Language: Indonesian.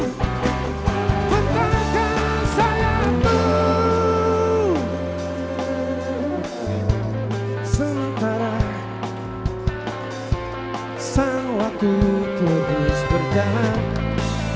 usulkan mimpi yang terlalu lama dipenjam